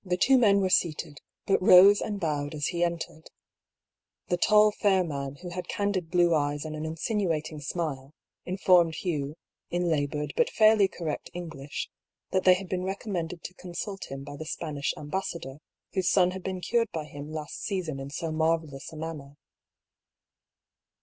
The two men were seated, but rose and bowed as he entered. The tall fair man, who had candid blue THE BEGINNING OP THE SEQUEL. 163 eyes and an insinuating smile, informed Hugh, in laboured but fairly correct English, that they had been recommended to consult him by the Spanish ambassa dor, whose son had been cured by him last season in so maryellous a manner.